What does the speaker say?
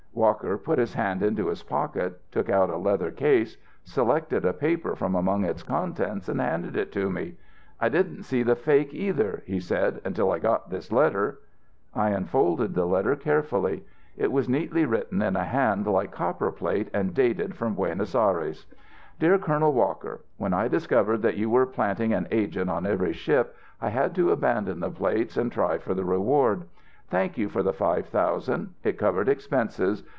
Walker put his hand into his pocket, took out a leather case, selected a paper from among its contents and handed it to me. "I didn't see the fake either," he said, "until I got this letter." I unfolded the letter carefully. It was neatly written in a hand like copper plate and dated from Buenos Aires: Dear Colonel Walker: When I discovered that you were planting an agent on every ship I had to abandon the plates and try for the reward. Thank you for the five thousand; it covered expenses.